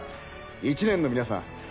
１年の皆さん